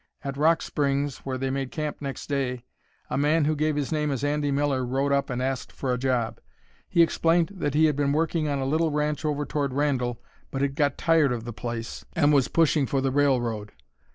At Rock Springs, where they made camp next day, a man who gave his name as Andy Miller rode up and asked for a job. He explained that he had been working on a little ranch over toward Randall but had got tired of the place and was pushing for the railroad.